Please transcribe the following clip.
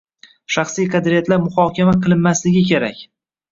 Shaxsiy qadriyatlar muhokama qilinmasligi kerak